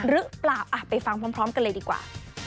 หรือเปล่าไปฟังพร้อมกันเลยดีกว่า